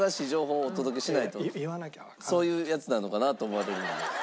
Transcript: そういうやつなのかなと思われるんで。